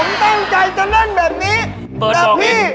ผมตั้งใจจะเล่นแบบนี้นะพี่